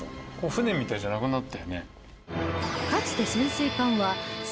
船みたいじゃなくなったよね。